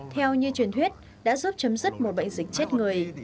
theo như truyền thuyết đã giúp chấm dứt một bệnh dịch chết người